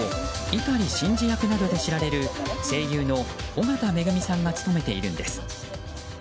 碇シンジ役などで知られる声優の緒方恵美さんが務めているんです。